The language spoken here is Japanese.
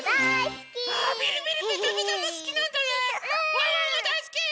ワンワンもだいすき！